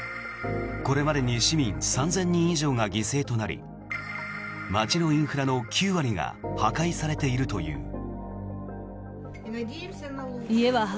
これまでに市民３０００人以上が犠牲となり街のインフラの９割が破壊されているという。